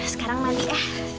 sekarang mali ya